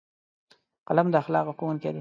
قلم د اخلاقو ښوونکی دی